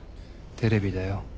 テレビだよ。